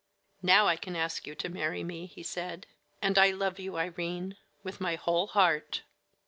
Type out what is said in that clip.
"Now I can ask you to marry me," he said; "and I love you, Irene, with my whole heart."